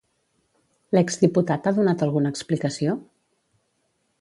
L'ex-diputat ha donat alguna explicació?